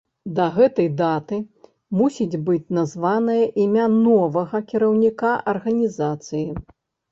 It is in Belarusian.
Да гэтай даты мусіць быць названае імя новага кіраўніка арганізацыі.